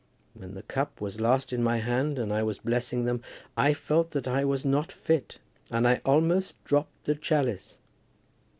When the cup was last in my hand and I was blessing them, I felt that I was not fit, and I almost dropped the chalice.